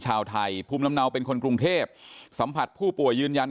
ชาวไทยภูมิลำเนาเป็นคนกรุงเทพสัมผัสผู้ป่วยยืนยัน